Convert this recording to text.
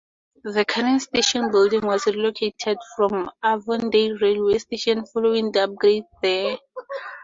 The current station building was relocated from Avondale Railway Station following the upgrade there.